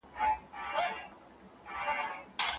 د مقالې پیلنۍ بڼه په دقت سره وګورئ.